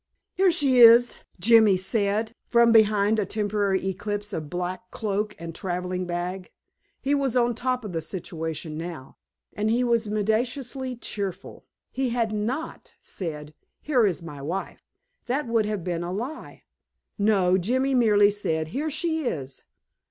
"Here she is," Jimmy said, from behind a temporary eclipse of black cloak and traveling bag. He was on top of the situation now, and he was mendaciously cheerful. He had NOT said, "Here is my wife." That would have been a lie. No, Jimmy merely said, "Here she is."